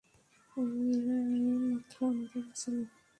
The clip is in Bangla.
এরাই মাত্র আমাদের বাঁচালো।